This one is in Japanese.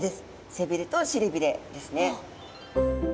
背びれとしりびれですね。